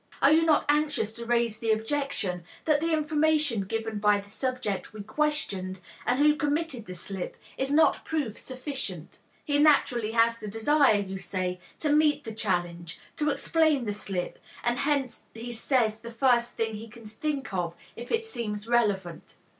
Are you not anxious to raise the objection that the information given by the subject we questioned, and who committed the slip, is not proof sufficient? He naturally has the desire, you say, to meet the challenge, to explain the slip, and hence he says the first thing he can think of if it seems relevant.